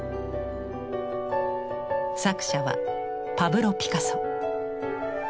作者はパブロ・ピカソ。